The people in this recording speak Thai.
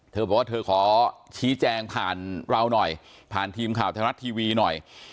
เธอบอกว่าเธอขอชี้แจงผ่านเราหน่อยผ่านทีมข่าวไทยรัฐทีวีหน่อย